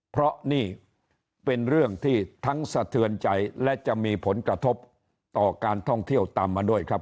เพราะนี่เป็นเรื่องที่ทั้งสะเทือนใจและจะมีผลกระทบต่อการท่องเที่ยวตามมาด้วยครับ